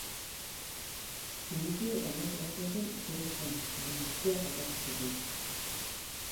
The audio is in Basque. Ilusio eta amets batzuekin etorri zen, baina guztiak aldatu ziren.